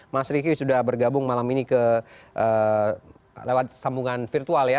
mas riki sudah bergabung malam ini lewat sambungan virtual ya